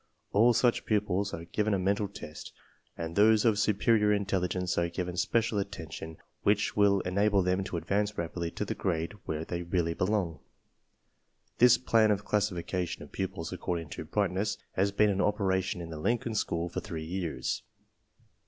All such pupils are given a mental test, and those of superior " intelligence are given special attention which will en able them to advance rapidly to the grade where they really belong. This plan of classification of pupils* according to brightness has been in operation in the Lincoln School for three years.